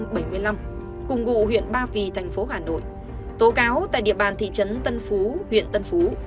bà ptm sinh năm một nghìn chín trăm bảy mươi năm cùng ngụ huyện ba vì thành phố hà nội tố cáo tại địa bàn thị trấn tân phú huyện tân phú